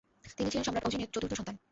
তিনি ছিলেন সম্রাট অজিন এর চতুর্থ সন্তান।